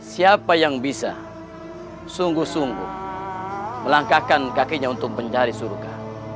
siapa yang bisa sungguh sungguh melangkahkan kakinya untuk mencari surga